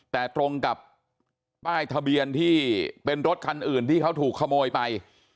แต่ตรงกับป้ายทะเบียนที่เป็นรถคันอื่นที่เขาถูกขโมยไป